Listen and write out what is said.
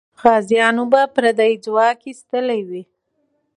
غازیانو به پردی ځواک ایستلی وي.